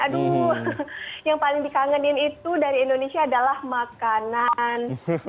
aduh yang paling dikangenin itu dari indonesia adalah makanan